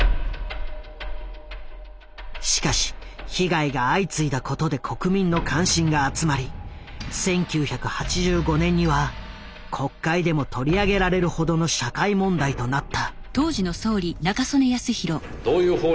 しかし被害が相次いだことで国民の関心が集まり１９８５年には国会でも取り上げられるほどの社会問題となった。